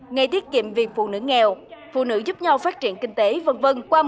ngày tiết kiệm việc phụ nữ nghèo phụ nữ giúp nhau phát triển kinh tế v v